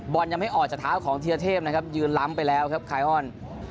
บอลยังไม่ออกจากเท้าของธีรเทพนะครับยืนล้ำไปแล้วครับไคออน